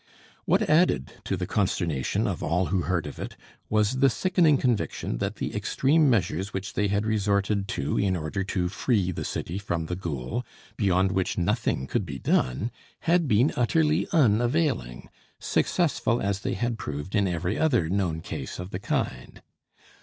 What added to the consternation of all who heard of it, was the sickening conviction that the extreme measures which they had resorted to in order to free the city from the ghoul, beyond which nothing could be done, had been utterly unavailing, successful as they had proved in every other known case of the kind.